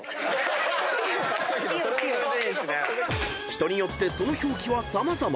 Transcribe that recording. ［人によってその表記は様々］